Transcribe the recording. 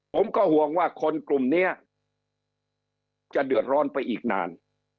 ผมก็ห่วงว่าคนกลุ่มนี้จะเดือดร้อนไปอีกนาน